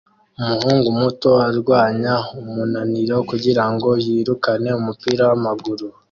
Umuhungu muto arwanya umunaniro kugirango yirukane umupira wamaguru